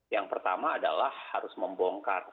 yang pertama adalah harus membongkar